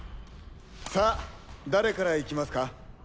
さあ誰から行きますか？